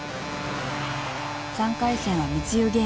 ［３回戦は密輸ゲーム］